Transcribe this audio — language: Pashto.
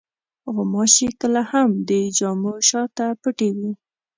غوماشې کله هم د جامو شاته پټې وي.